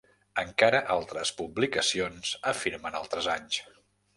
Encara altres publicacions afirmen altres anys.